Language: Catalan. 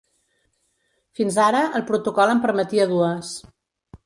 Fins ara, el protocol en permetia dues.